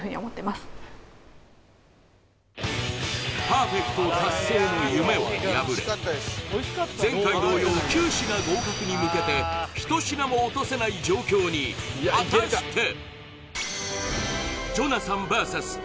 パーフェクト達成の夢は破れ前回同様９品合格に向けて１品も落とせない状況に果たして！？